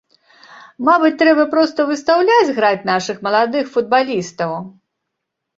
Мабыць, трэба проста выстаўляць граць нашых маладых футбалістаў?